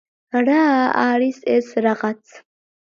რა არის ეს რაღაც?